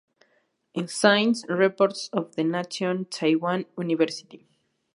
Science Reports of the National Taiwan University".